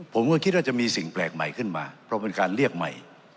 ผมก็คิดว่าจะมีสิ่งแปลกใหม่ขึ้นมาเพราะเป็นการเรียกใหม่